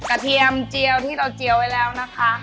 เทียมเจียวที่เราเจียวไว้แล้วนะคะ